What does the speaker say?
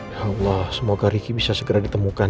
ya allah semoga riki bisa segera ditemukan